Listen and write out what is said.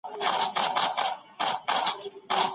مثبت معلومات مطالعه کړئ.